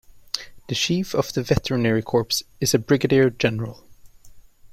The Chief of the Veterinary Corps is a Brigadier General.